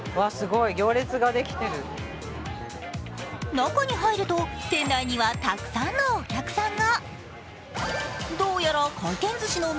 中に入ると店内にはたくさんのお客さんが。